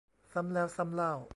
ซ้ำแล้วซ้ำเล่า